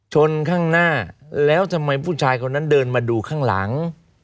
ชนข้างหน้าแล้วทำไมผู้ชายคนนั้นเดินมาดูข้างหลัง